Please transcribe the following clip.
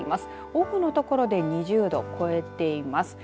多くの所で２０度を超えています。